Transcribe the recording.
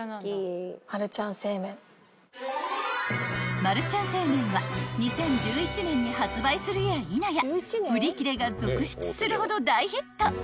［マルちゃん正麺は２０１１年に発売するやいなや売り切れが続出するほど大ヒット］